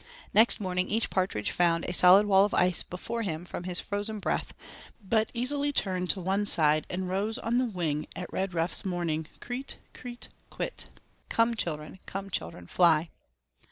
Next morning each partridge found a solid wall of ice before him from his frozen breath, but easily turned to one side and rose on the wing at Redruff's morning 'Kreet, kreet, kwit,' (Come children, come children, fly.)